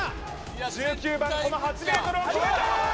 １９番この８ｍを決めた！